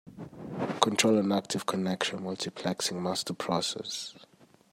Control an active connection multiplexing master process.